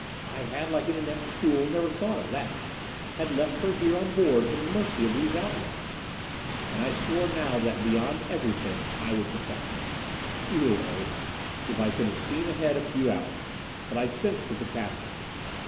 I had, like an inept fool, never thought of that! Had left her here on board at the mercy of these outlaws. And I swore now that, beyond everything, I would protect her. Futile oath! If I could have seen ahead a few hours! But I sensed the catastrophe.